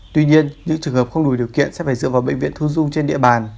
tuy nhiên những trường hợp không đủ điều kiện sẽ phải dựa vào bệnh viện thu dung trên địa bàn